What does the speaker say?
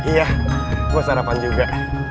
iya gue sarapan juga